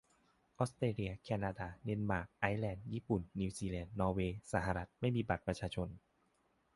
ออสเตรเลีย แคนาดา เดนมาร์ก ไอร์แลนด์ ญี่ปุ่น นิวซีแลนด์ นอร์เวย์ สหรัฐ ไม่มีบัตรประชาชน